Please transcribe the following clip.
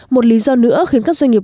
một lý do nữa khiến các doanh nghiệp